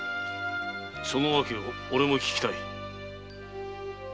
・その訳をオレも聞きたい。